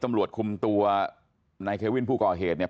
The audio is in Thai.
ตำรวจคุมตัวนายเควินผู้ก่อเหตุเนี่ย